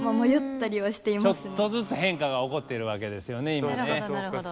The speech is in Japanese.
ちょっとずつ変化が起こってるわけですよね今ね。